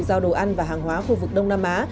giao đồ ăn và hàng hóa khu vực đông nam á